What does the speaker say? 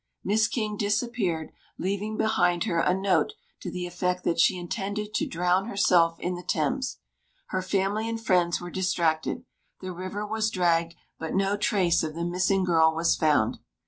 Miss King disappeared, leaving behind her a note to the effect that she intended to drown herself in the Thames. Her family and friends were distracted. The river was dragged, but no trace of the missing girl was found.